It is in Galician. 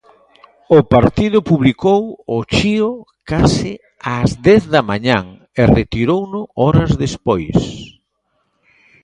O partido publicou o chío case ás dez da mañá e retirouno horas despois.